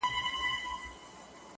• د خدای دوستان تېر سوي -